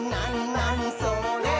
なにそれ？」